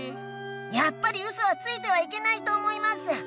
やっぱりウソはついてはいけないと思います！